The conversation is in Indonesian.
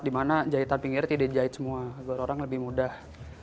dimana jahitan pinggirnya tidak jahit semua agar orang lebih mudah